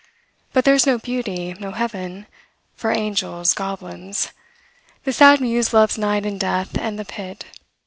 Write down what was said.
But there is no beauty, no heaven: for angels, goblins. The sad muse loves night and death, and the pit.